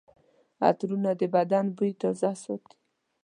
عطرونه د بدن بوی تازه ساتي.